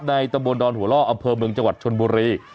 ตำบลดอนหัวล่ออำเภอเมืองจังหวัดชนบุรี